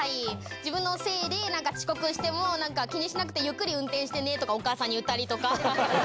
自分のせいで遅刻しても、気にしなくて、ゆっくり運転してねとか、お母さんに言ったりとか。